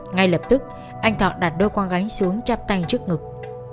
ngay lập tức anh thọ đặt đôi quang gánh xuống chắp tay trước ngực